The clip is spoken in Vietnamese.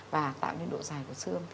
và tạo nên độ dài của xương